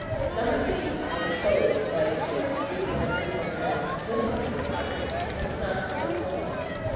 Some of these were towed by two or three women or men swimming in the water and some by ponies.